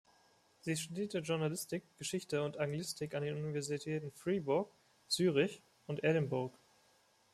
Sie studierte Journalistik, Geschichte und Anglistik an den Universitäten Fribourg, Zürich und Edinburgh.